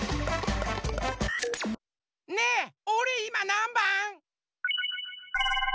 ねえおれいまなんばん？